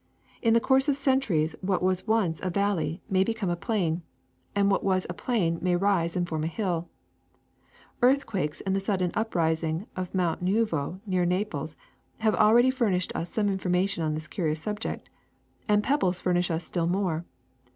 In the course of centuries what was once a valley may be come a plain, and what was a plain may rise and form a hill. Earthquakes and the sudden uprising of Monte Nuovo, near Naples, have already furnished us some information on this curious subject; and pebbles furnish us still more.